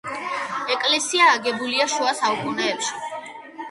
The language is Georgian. ეკლესია აგებულია შუა საუკუნეებში.